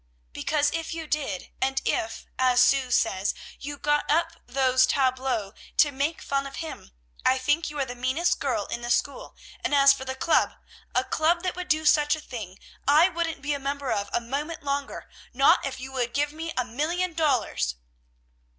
"Because, if you did, and if, as Sue says, you got up those tableaux to make fun of him, I think you are the meanest girl in the school; and as for the club a club that would do such a thing, I wouldn't be a member of a moment longer, not if you would give me a million dollars!"